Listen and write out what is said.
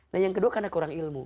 nah yang kedua karena kurang ilmu